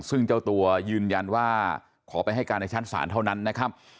ซึ่งเจ้าตัวยืนยันว่าขอไปให้การในชั้นศาลเท่านั้นนะครับ